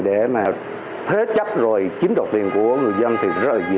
để thế chấp rồi chiếm đoạt tiền của người dân thì rất dễ